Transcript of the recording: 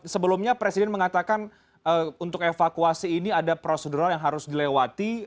sebelumnya presiden mengatakan untuk evakuasi ini ada prosedural yang harus dilewati